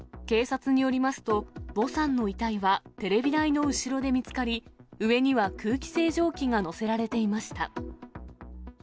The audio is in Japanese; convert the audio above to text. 警察によりますと、ヴォさんの遺体はテレビ台の後ろで見つかり、上には空気清浄機が乗せられていました。